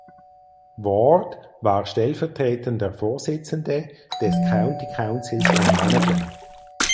Ward war stellvertretender Vorsitzende des County Councils von Monaghan.